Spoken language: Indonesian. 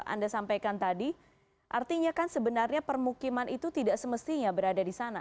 anda sampaikan tadi artinya kan sebenarnya permukiman itu tidak semestinya berada di sana